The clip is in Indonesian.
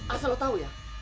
asal lo tau ya